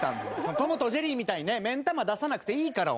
『トムとジェリー』みたいにね目ん玉出さなくていいからお前。